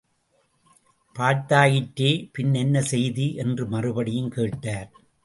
பார்த்தாயிற்றே பின் என்ன செய்தி என்று மறுபடியும் கேட்டார்.